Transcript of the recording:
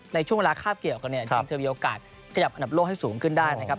ในช่วงเวลาคาบเกี่ยวกันเนี่ยจริงเธอมีโอกาสขยับอันดับโลกให้สูงขึ้นได้นะครับ